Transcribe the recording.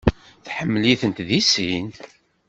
Tḥemmel-iten deg sin.